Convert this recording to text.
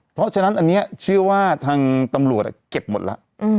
เพราะฉะนั้นอันนี้เชื่อว่าทางตำรวจเก็บหมดแล้ว